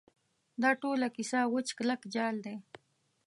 دا ټوله کیسه وچ کلک جعل دی.